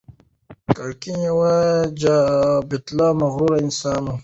ګرګين يو جاه طلبه او مغرور انسان و.